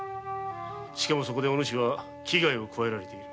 しかもそこでお主は危害を加えられている。